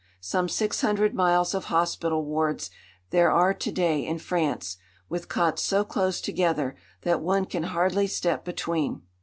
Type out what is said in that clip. Some six hundred miles of hospital wards there are to day in France, with cots so close together that one can hardly step between.